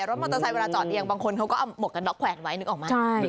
รถมอเตอร์ไซค์เวลาจอดเรียงบางคนเขาก็เอาหมวกกันน็อกแขวนไว้นึกออกไหม